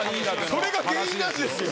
それが原因なんですよ。